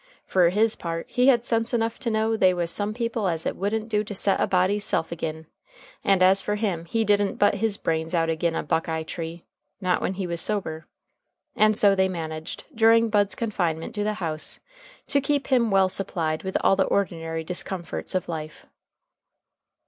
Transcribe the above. Fer his part, he had sense enough to know they was some people as it wouldn't do to set a body's self agin. And as fer him, he didn't butt his brains out agin a buckeye tree. Not when he was sober. And so they managed, during Bud's confinement to the house, to keep him well supplied with all the ordinary discomforts of life.